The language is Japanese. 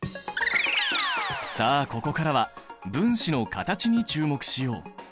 さあここからは分子の形に注目しよう！